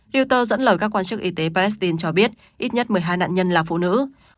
reuter dẫn lời các quan chức y tế palestine cho biết ít nhất một mươi hai nạn nhân là phụ nữ